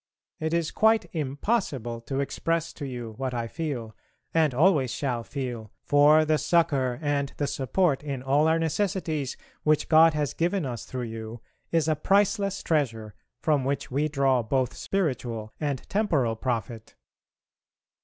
It is quite impossible to express to you what I feel, and always shall feel, for the succour and the support in all our necessities which God has given us through you is a priceless treasure from which we draw both spiritual and temporal profit.